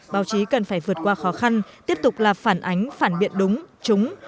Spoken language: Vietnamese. báo chí cần phải vượt qua khó khăn tiếp tục là phản ánh phản biện đúng trúng